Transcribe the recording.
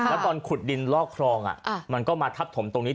แล้วตอนขุดดินลอกครองมันก็มาทับถมตรงนี้